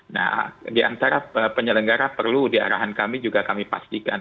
nah diantara penyelenggara perlu di arahan kami juga kami pastikan